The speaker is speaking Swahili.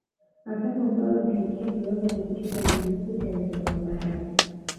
Azam ambayo imefikia kiwango cha kucheza ligi kuu Tanzania bara